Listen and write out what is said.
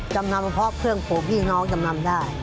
จำนำเพราะเครื่องปลูกพี่น้องจำนำได้